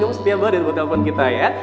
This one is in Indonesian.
kamu setiap bulan udah tonton kita ya